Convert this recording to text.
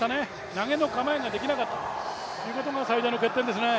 投げの構えができなかったということが最大の欠点ですね。